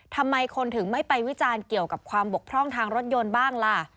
ทำไมคนถึงไม่ไปวิจารณ์เกี่ยวกับความบกพร่องทางรถยนต์บ้างล่ะ